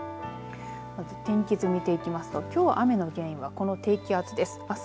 天気図を見ていきますときょう雨の原因はこの低気圧です。